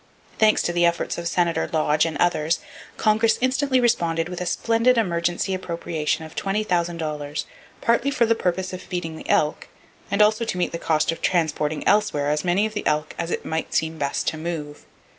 Thanks to the efforts of Senator Lodge and others, Congress instantly responded with a splendid emergency appropriation of $20,000, partly for the purpose of feeding the elk, and also to meet the cost of transporting elsewhere as many of the elk as it might seem best to move.